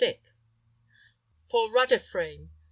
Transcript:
thick. For rudder frame.